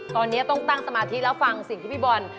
ตอนนี้ต้องตั้งสมาธิแล้วฟังสิ่งที่พี่บอล